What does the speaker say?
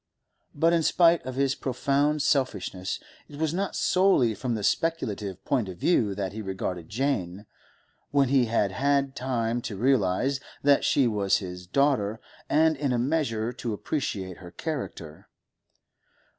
But in spite of his profound selfishness, it was not solely from the speculative point of view that he regarded Jane, when he had had time to realise that she was his daughter, and in a measure to appreciate her character.